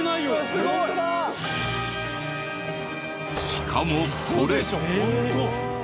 しかもこれ。